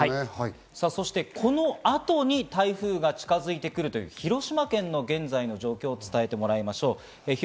この後に台風が近づいてくるという広島県の現在の状況を伝えてもらいましょう。